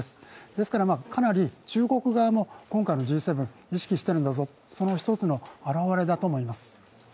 ですからかなり中国側も今回のＧ７、意識しているんだぞ、その一つの表れだと思います。